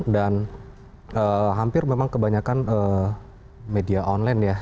dan hampir memang kebanyakan media online ya